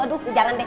aduh jangan deh